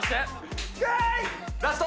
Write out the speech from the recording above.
ラスト。